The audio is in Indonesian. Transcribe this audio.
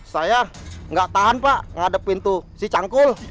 saya nggak tahan pak ngadepin tuh si cangkul